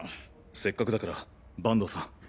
せっかくだから板東さん。